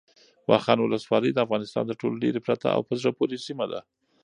واخان ولسوالۍ د افغانستان تر ټولو لیرې پرته او په زړه پورې سیمه ده.